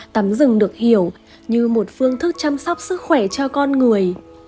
tắm rừng được hiểu như một phương thức chăm sóc sức khỏe cho con người